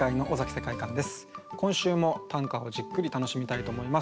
今週も短歌をじっくり楽しみたいと思います。